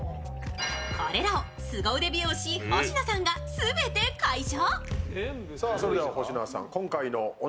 これらをすご腕美容師・保科さんが全て解消。